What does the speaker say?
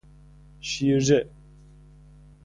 شیرجه